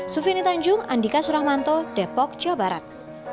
sufini tanjung andika suramanto depok jawa barat